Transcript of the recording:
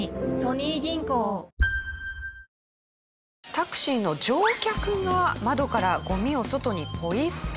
タクシーの乗客が窓からゴミを外にポイ捨て。